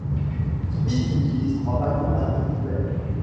Speed utilise trois wagons individuels.